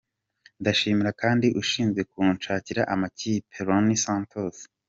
Ndashimira kandi ushinzwe kunshakira amakipe, Ronnie Santos.